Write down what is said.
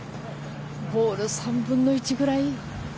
ボール３分の１ぐらい？